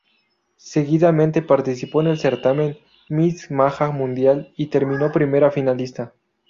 Seguidamente participó en el certamen Miss Maja Mundial y terminó primera finalista.